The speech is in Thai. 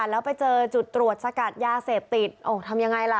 แล้วไปเจอจุดตรวจสกัดยาเสพติดโอ้ทำยังไงล่ะ